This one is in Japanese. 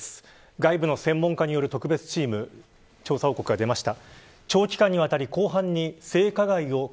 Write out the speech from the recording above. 外部の専門家による特別チーム調査報告が出ました。